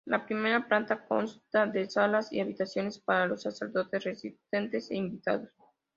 La primera planta consta de salas y habitaciones para los sacerdotes residentes e invitados.